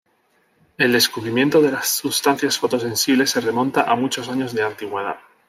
El descubrimiento de las sustancias fotosensibles se remonta a muchos años de antigüedad.